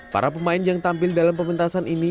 para pemain yang tampil dalam pementasan ini